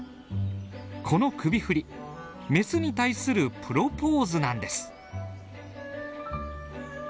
この首ふりメスに対するプロポーズなんです。